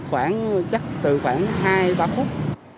chắc khoảng chắc từ khoảng hai ba phút